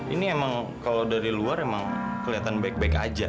ini emang kalau dari luar emang kelihatan baik baik aja